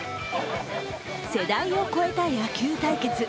世代を超えた野球対決。